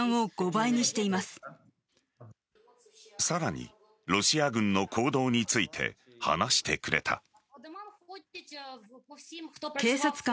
さらにロシア軍の行動について話してくれた。